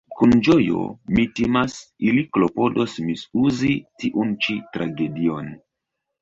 Kun ĝojo – mi timas – ili klopodos misuzi tiun ĉi tragedion.